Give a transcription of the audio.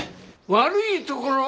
悪いところ？